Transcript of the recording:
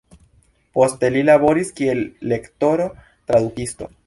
Poste li laboris kiel lektoro, tradukisto.